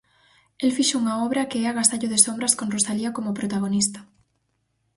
El fixo unha obra que é Agasallo de sombras con Rosalía como protagonista.